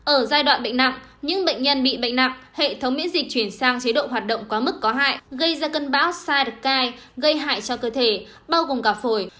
ở giai đoạn bệnh nặng những bệnh nhân bị bệnh nặng hệ thống miễn dịch chuyển sang chế độ hoạt động quá mức có hại gây ra cơn bão sirekai gây hại cho cơ thể bao gồm cả phổi